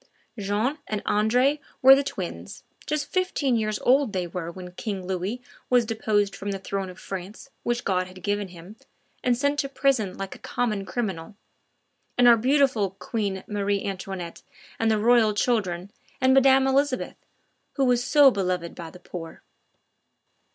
Jean and Andre were the twins; just fifteen years old they were when King Louis was deposed from the throne of France which God had given him, and sent to prison like a common criminal, with our beautiful Queen Marie Antoinette and the Royal children, and Madame Elizabeth, who was so beloved by the poor!